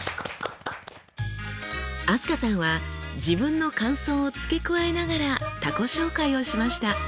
飛鳥さんは自分の感想を付け加えながら他己紹介をしました。